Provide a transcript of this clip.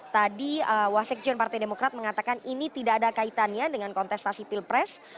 tadi wasekjen partai demokrat mengatakan ini tidak ada kaitannya dengan kontestasi pilpres